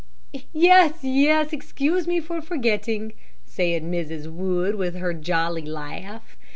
"Yes, yes; excuse me for forgetting," said Mrs. Wood, with her jolly laugh.